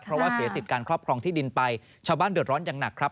เพราะว่าเสียสิทธิ์การครอบครองที่ดินไปชาวบ้านเดือดร้อนอย่างหนักครับ